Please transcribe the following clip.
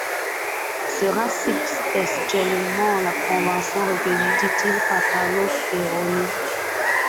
Serra cite textuellement la convention recueillie, dit-il, par Carlo Speroni.